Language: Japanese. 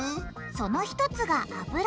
そのひとつが油！